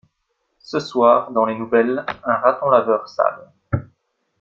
Ce soir dans les nouvelles, un raton laveur sale.